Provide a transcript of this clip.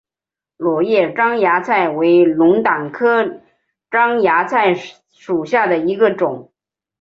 卵叶獐牙菜为龙胆科獐牙菜属下的一个种。